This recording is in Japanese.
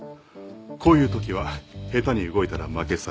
こういうときは下手に動いたら負けさ。